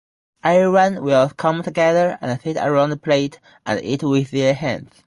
Everyone will come together and sit around the plate and eat with their hands.